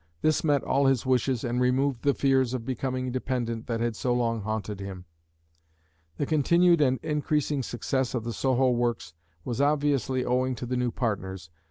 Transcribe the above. This met all his wishes and removed the fears of becoming dependent that had so long haunted him. The continued and increasing success of the Soho works was obviously owing to the new partners.